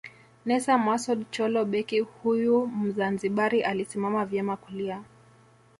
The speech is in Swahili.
Nassor Masoud Chollo Beki huyu Mzanzibari alisimama vyema kulia